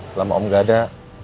selama om gak ada